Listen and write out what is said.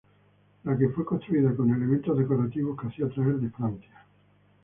La que fue construida con elementos decorativos que hacía traer de Francia.